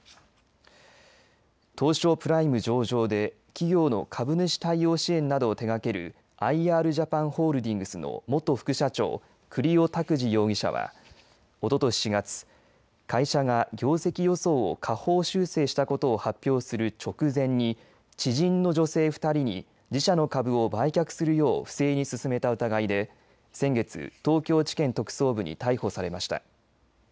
東証プライム上場で企業の株主対応支援などを手がけるアイ・アールジャパンホールディングスの元副社長栗尾拓滋容疑者はおととし４月会社が業績予想を下方修正したことを発表する直前に知人の女性２人に自社の株を売却するよう不正に勧めた疑いで先月、東京地検特捜部に逮捕されました。